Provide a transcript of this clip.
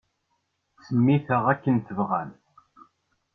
Semmit-aɣ akken tebɣam.